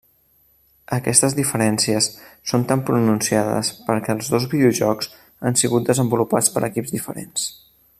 Aquestes diferències són tan pronunciades perquè els dos videojocs han sigut desenvolupats per equips diferents.